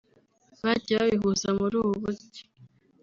bagiye babihuza muri ubu buryo